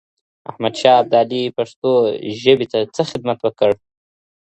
احمد شاه ابدالي پښتو ژبې ته څه خدمت وکړ؟